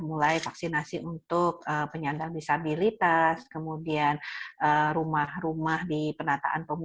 mulai vaksinasi untuk penyandang disabilitas kemudian rumah rumah di penataan pemudik